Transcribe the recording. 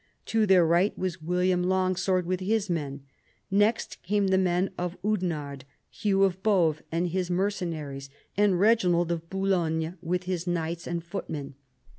To their right was William Longsword with his men. Next came the men of Oudenarde, Hugh of Boves and his mercenaries, and Reginald of Boulogne with his knights and footmen.